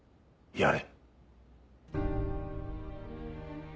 やれ！